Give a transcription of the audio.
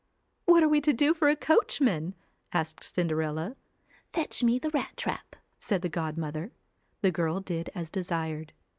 'What are we to do for a coachman?' asked Cinderella. ' Fetch me the rat trap,' said the godmother. The girl did as desired.